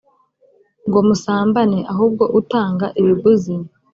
ngo musambane ahubwo utanga ibiguzi